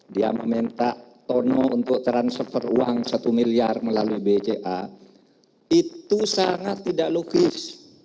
dia meminta tono untuk transfer uang satu miliar melalui bca itu sangat tidak logis